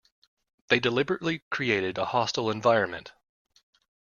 They deliberately created a hostile environment